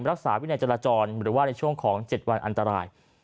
รักษาวินัยจราจรหรือว่าในช่วงของ๗วันอันตราย